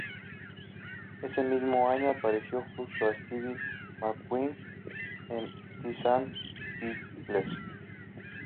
Ese mismo año apareció junto a Steve McQueen en "The Sand Pebbles".